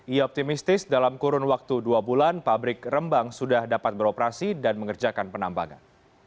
ia optimistis dalam kurun waktu dua bulan pabrik rembang sudah dapat beroperasi dan mengerjakan penambangan